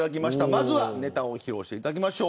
まずは、ネタを披露していただきましょう。